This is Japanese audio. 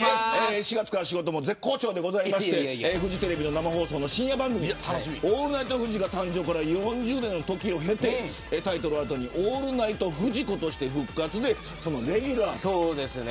４月から仕事も絶好調でフジテレビの生放送の深夜番組オールナイトフジが誕生から４０年の時を経てオールナイトフジコとして復活して、そのレギュラー。